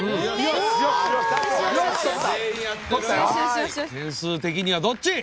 点数的にはどっち？